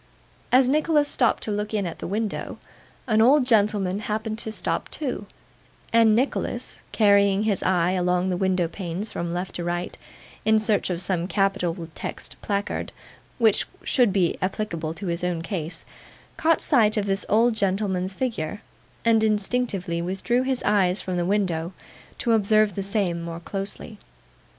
As Nicholas stopped to look in at the window, an old gentleman happened to stop too; and Nicholas, carrying his eye along the window panes from left to right in search of some capital text placard which should be applicable to his own case, caught sight of this old gentleman's figure, and instinctively withdrew his eyes from the window, to observe the same more closely.